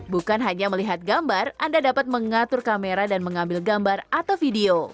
bukan hanya melihat gambar anda dapat mengatur kamera dan mengambil gambar atau video